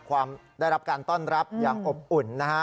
ได้รับการต้อนรับอย่างอบอุ่นนะฮะ